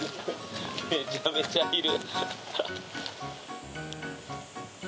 めちゃめちゃいる。